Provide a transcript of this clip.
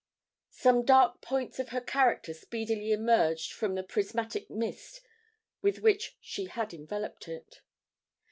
Some dark points of her character speedily emerged from the prismatic mist with which she had enveloped it.